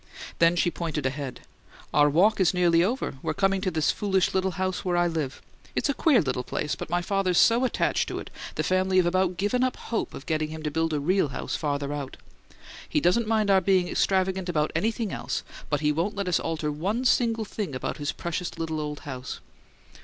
Then she pointed ahead. "Our walk is nearly over. We're coming to the foolish little house where I live. It's a queer little place, but my father's so attached to it the family have about given up hope of getting him to build a real house farther out. He doesn't mind our being extravagant about anything else, but he won't let us alter one single thing about his precious little old house.